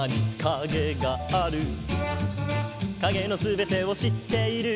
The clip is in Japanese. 「影の全てを知っている」